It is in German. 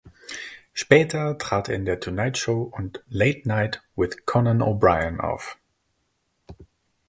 Später trat er in der "Tonight Show" und "Late Night with Conan O’Brien" auf.